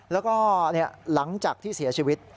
แล้วก็หลังจากที่เสียชีวิต